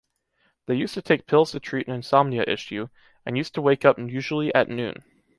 They used to take pills to treat an insomnia issue, and used to wake up usually at noon.